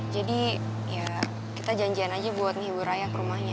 jadi ya kita janjian aja buat nih ibu raya ke rumahnya